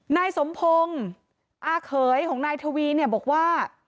นายสมพงศ์อาเขยของนายทวีเนี่ยบอกว่า